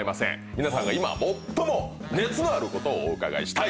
皆さんが今最も熱のあることをお伺いしたい！